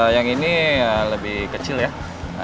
yang ini lebih kecil ya